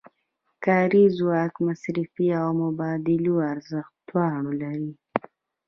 کاري ځواک مصرفي او مبادلوي ارزښت دواړه لري